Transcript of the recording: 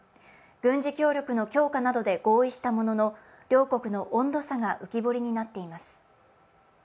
軍事協力の強化などで合意したものの両国の温度差が浮き彫りになっています。